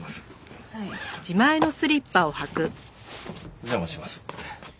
お邪魔します。